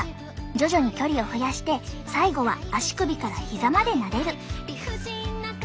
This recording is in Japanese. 徐々に距離を増やして最後は足首からひざまでなでる。